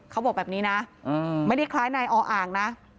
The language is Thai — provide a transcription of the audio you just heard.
เขาบอกแบบนี้นะไม่ได้คล้ายนายออ่างนะ